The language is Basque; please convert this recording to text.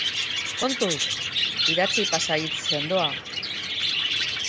Kontuz! Idatzi pasahitz sendoa.